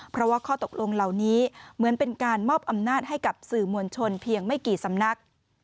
เพราะว่าข้อตกลงเหล่านี้เหมือนเป็นการมอบอำนาจให้กับสื่อมวลชนเพียงไม่กี่สำนัก